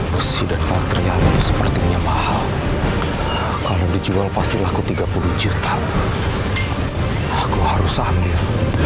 besi dan bakteria seperti ini mahal kalau dijual pasti laku tiga puluh jir aku harus ambil